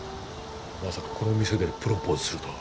まさかこの店でプロポーズするとは。